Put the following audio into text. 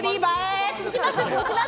続きまして。